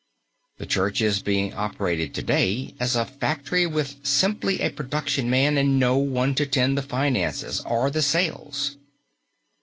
The Church is being operated to day as a factory with simply a production man and no one to tend the finances or the sales.